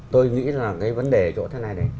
tôi nghĩ là cái vấn đề chỗ thế này